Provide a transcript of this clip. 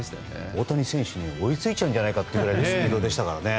大谷選手に追いついちゃうんじゃないかというスピードでした。